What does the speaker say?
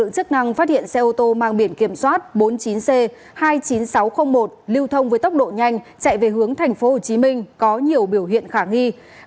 cảm ơn các bạn đã theo dõi